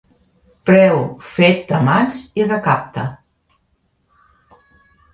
Preu fet de mans i recapte.